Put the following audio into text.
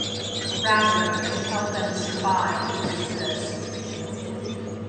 Rather, it helped them survive and resist.